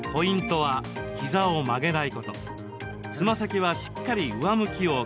はい。